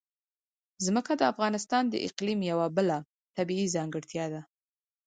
ځمکه د افغانستان د اقلیم یوه بله طبیعي ځانګړتیا ده.